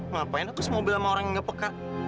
ngapain aku terus mau bilang sama orang yang gak peka